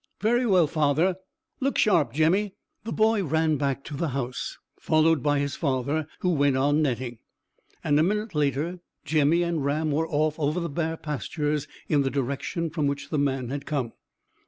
"Very well, father. Look sharp, Jemmy!" The boy ran back to the house, followed by his father, who went on netting, and a minute later Jemmy and Ram were off over the bare pastures in the direction from which the man had come.